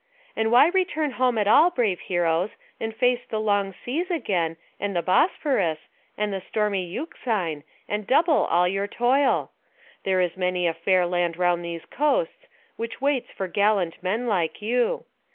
And why return home at all, brave heroes, and face the long seas again, and the Bosphorus, and the stormy Euxine, and double all your toil? There is many a fair land round these coasts, which waits for gallant men like you.